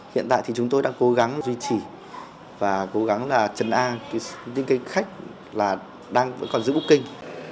hiện tại thì chúng tôi đang cố gắng duy trì và cố gắng là trần an những cái khách là đang vẫn còn giữ bức kinh